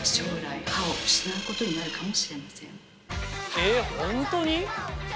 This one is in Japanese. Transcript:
えっ本当に？